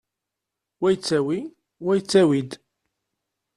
Wa yettawi, wa yettawi-d.